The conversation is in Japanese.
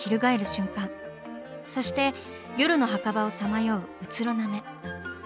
そして夜の墓場をさまよううつろな目。